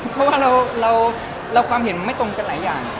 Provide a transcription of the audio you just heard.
เพราะว่าเราความเห็นมันไม่ตรงกันหลายอย่าง